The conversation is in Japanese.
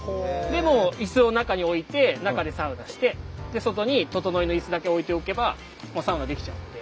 でもう椅子を中に置いて中でサウナして外にととのいの椅子だけ置いておけばもうサウナ出来ちゃうので。